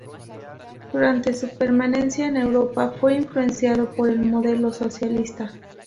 Durante su permanencia en Europa, fue influenciado por el modelo socialista.